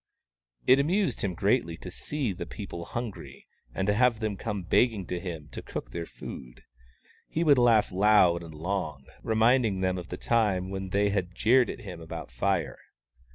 It amused him greatly to see the people hungry and to have them come begging to him to cook their food. He would laugh loud and long, remind ing them of the time when they had jeered at him about Fire.